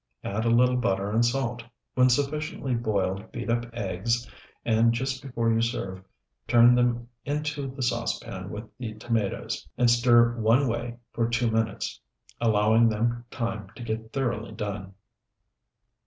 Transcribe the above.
Add a little butter and salt. When sufficiently boiled beat up eggs, and just before you serve turn them into the saucepan with the tomatoes, and stir one way for two minutes, allowing them time to get thoroughly done.